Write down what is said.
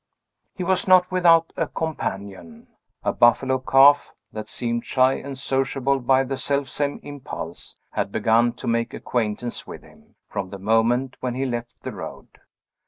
He was not without a companion. A buffalo calf, that seemed shy and sociable by the selfsame impulse, had begun to make acquaintance with him, from the moment when he left the road.